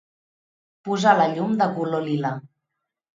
Posar la llum de color lila.